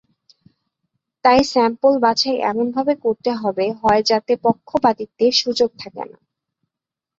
তাই স্যাম্পল বাছাই এমনভাবে করতে হবে হয় যাতে পক্ষপাতিত্বের সুযোগ থাকেনা।